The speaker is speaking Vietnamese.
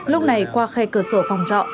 lúc này qua khe cửa sổ phòng trọ